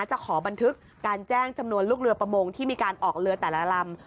จะขอบันทึกการแจ้งจำนวนลูกเรือประมงที่มีการออกเรือแต่ละลำ